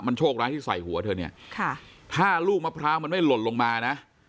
โชคร้ายที่ใส่หัวเธอเนี่ยค่ะถ้าลูกมะพร้าวมันไม่หล่นลงมานะ